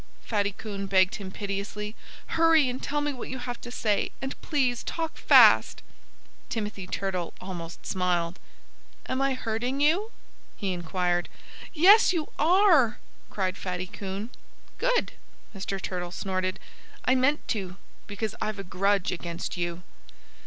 Fatty Coon begged him piteously. "Hurry and tell me what you have to say. And please talk fast!" Timothy Turtle almost smiled. "Am I hurting you?" he inquired. "Yes, you are!" cried Fatty Coon. "Good!" Mr. Turtle snorted. "I meant to, because I've a grudge against you."